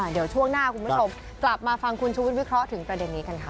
เดี๋ยวช่วงหน้าคุณผู้ชมกลับมาฟังคุณชุวิตวิเคราะห์ถึงประเด็นนี้กันค่ะ